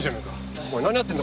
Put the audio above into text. おい何やってんだ？